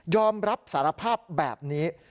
อมรับสารภาพแบบนี้